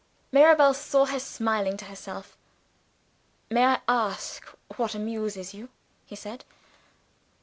Mirabel saw her smiling to herself. "May I ask what amuses you?" he said.